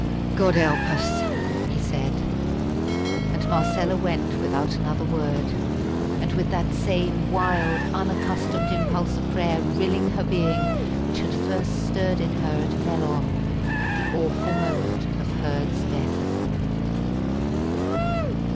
"God help us!" he said; and Marcella went without another word, and with that same wild, unaccustomed impulse of prayer rilling her being which had first stirred in her at Mellor at the awful moment of Hurd's death.